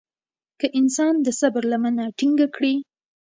که انسان د صبر لمنه ټينګه کړي.